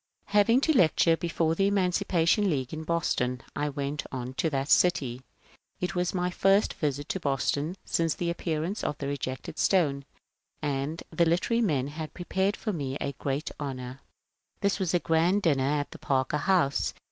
Having to lecture before the Emancipation League in Bos ton, I went on to that city. It ¥ras my first visit to Boston since the appearance of ^^ The Kejected Stone," and the liter ary men had prepared for me a great honour. This was a grand dinner at the Parker House.